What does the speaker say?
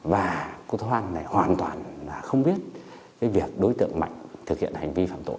và cô thoan này hoàn toàn là không biết cái việc đối tượng mạnh thực hiện hành vi phạm tội